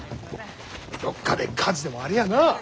どっかで火事でもありゃあな！